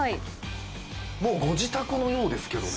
もうご自宅のようですけどね。